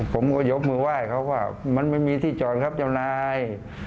ผมก็ยกมือไหว้เขาว่ามันไม่มีที่จอดครับเจ้านาย